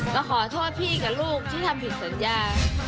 ก็ขอโทษพี่กับลูกที่ทำผิดสัญญา